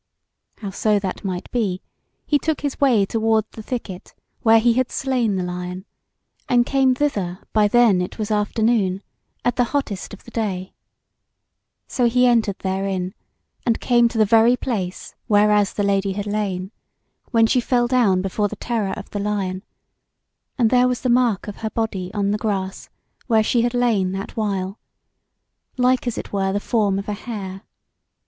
Howso that might be, he took his way toward the thicket where he had slain the lion, and came thither by then it was afternoon, at the hottest of the day. So he entered therein, and came to the very place whereas the Lady had lain, when she fell down before the terror of the lion; and there was the mark of her body on the grass where she had lain that while, like as it were the form of a hare.